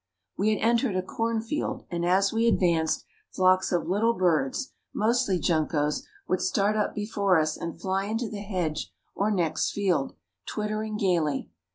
We had entered a cornfield, and as we advanced, flocks of little birds, mostly juncos, would start up before us and fly into the hedge or next field, twittering gaily.